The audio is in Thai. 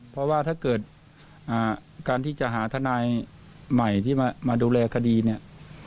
เพราะว่าถ้าเกิดการที่จะหาทนายใหม่ที่มาดูแลคดีเนี่ย